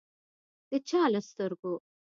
د چا له سترګو